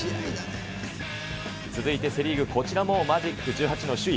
続いてセ・リーグ、こちらもマジック１８の首位